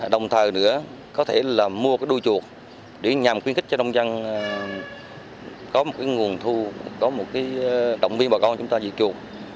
đồng thời nữa có thể là mua cái đuôi chuột để nhằm khuyến khích cho nông dân có một nguồn thu có một cái động viên bà con chúng ta gì chuột